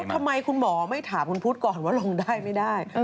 ทำไมคุณหมอไม่ถามคุณพุทธก่อนว่าลงได้ไม่ได้